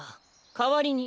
かわりに。